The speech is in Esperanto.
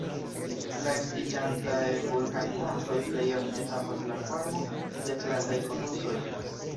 La estiĝantaj vulkanmontoj plej ofte havas la formon de plataj konusoj.